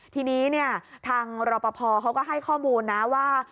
ทีนี้ทางรอปภเขาก็ให้ข้อมูลนะว่า